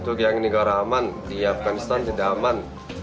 untuk yang negara aman di afganistan tidak aman